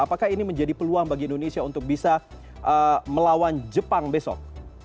apakah ini menjadi peluang bagi indonesia untuk bisa melawan jepang besok